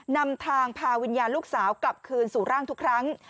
นำทางพาวิญญาณลูกสาวกลับคืนสู่ร่างทุกครั้ง